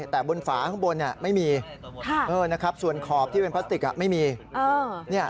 แต่บนฝาข้างบนไม่มีส่วนขอบที่เป็นพลาสติกไม่มี